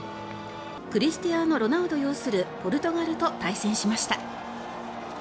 クリスティアーノ・ロナウド擁するポルトガルと対戦しました。